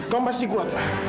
kamu pasti kuat